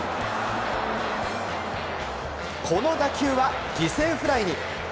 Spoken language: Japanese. この打球は、犠牲フライに。